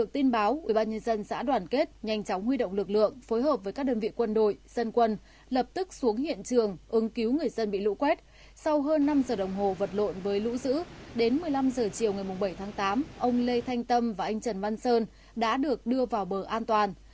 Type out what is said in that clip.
tính đến một mươi năm h chiều ngày bảy tháng tám ông lê thanh tâm và anh trần văn sơn đã được đưa vào bờ an toàn